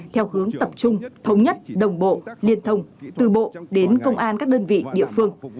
theo hướng tập trung thống nhất đồng bộ liên thông từ bộ đến công an các đơn vị địa phương